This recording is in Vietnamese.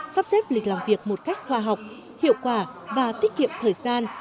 sắp xếp lịch làm việc một cách khoa học hiệu quả và tiết kiệm thời gian